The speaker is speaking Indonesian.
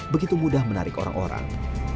begitu mudah menarik orang orang